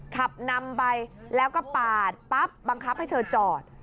ขับนำไปแล้วก็ปาดปั๊บบังคับให้เธอจอด